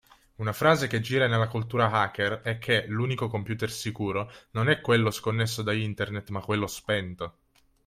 Una frase che gira nella cultura hacker è che, l’unico computer sicuro, non è quello sconnesso da internet ma quello spento.